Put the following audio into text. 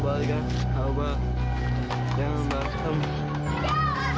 baik jangan cepet aja beban